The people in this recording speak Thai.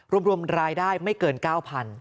รวมรายได้ไม่เกิน๙๐๐บาท